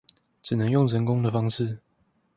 只能用人工的方式